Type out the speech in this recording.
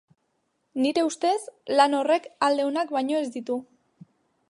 Nire ustez, lan horrek alde onak baino ez ditu.